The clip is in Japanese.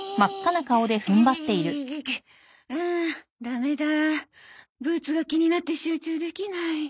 うぐぐぐぐ！はあダメだブーツが気になって集中できない。